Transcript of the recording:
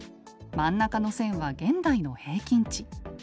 真ん中の線は現代の平均値。